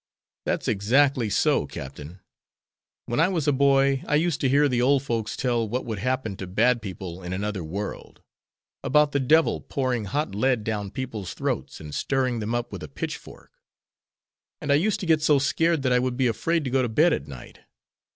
"That's exactly so, Captain! When I was a boy I used to hear the old folks tell what would happen to bad people in another world; about the devil pouring hot lead down people's throats and stirring them up with a pitch fork; and I used to get so scared that I would be afraid to go to bed at night.